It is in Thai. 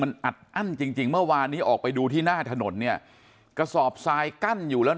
มันอัดอั้นจริงจริงเมื่อวานนี้ออกไปดูที่หน้าถนนเนี่ยกระสอบทรายกั้นอยู่แล้ว